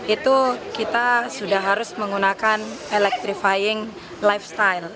itu kita sudah harus menggunakan electrifying lifestyle